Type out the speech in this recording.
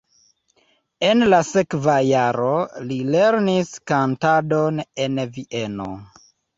En la sekva jaro li lernis kantadon en Vieno.